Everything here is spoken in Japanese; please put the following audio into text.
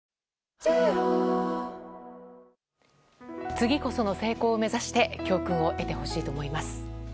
次こその成功を目指して教訓を得てほしいと思います。